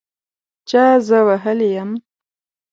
چا زه وهلي یم